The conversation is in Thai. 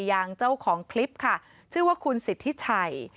อย่างเจ้าของคลิปค่ะชื่อว่าคุณสิทธิชัย